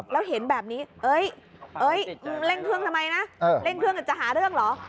แล้วเห็นแบบนี้มึงเร่งเครื่องทำไมนะเร่งเครื่องจะหาเรื่องเหรอ